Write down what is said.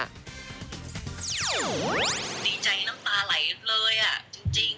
ดีใจน้ำตาไหลเลยอ่ะจริง